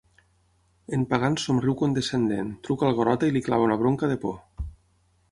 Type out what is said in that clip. En Pagans somriu condescendent, truca al Garota i li clava una bronca de por.